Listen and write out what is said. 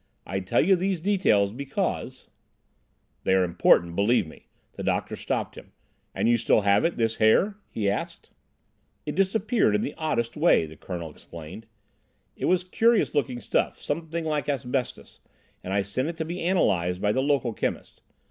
I tell you these details because—" "They are important, believe me," the doctor stopped him. "And you have it still, this hair?" he asked. "It disappeared in the oddest way," the Colonel explained. "It was curious looking stuff, something like asbestos, and I sent it to be analysed by the local chemist.